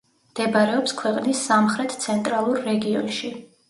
მდებარეობს ქვეყნის სამხრეთ-ცენტრალურ რეგიონში.